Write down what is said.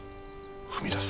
踏み出す。